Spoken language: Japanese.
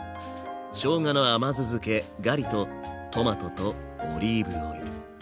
しょうがの甘酢漬けガリとトマトとオリーブオイル。